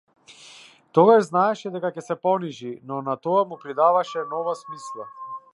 Тогаш знаеше дека ќе се понижи, но на тоа му придаваше нова смисла.